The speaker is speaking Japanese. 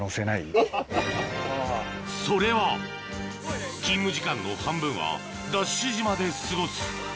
それは勤務時間の半分はＤＡＳＨ島で過ごす